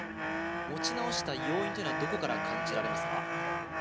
持ち直した要因っていうのはどこから感じられますか？